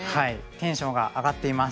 テンションが上がっています。